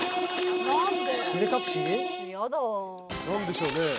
何で？